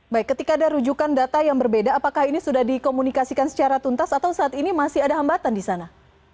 baik ketika ada rujukan data yang berbeda apakah ini sudah dikomunikasikan secara tuntas atau saat ini masih ada hambatan di sana